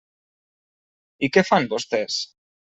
I què fan vostès?